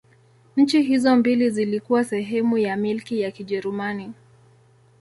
Nchi hizo mbili zilikuwa sehemu ya Milki ya Kijerumani.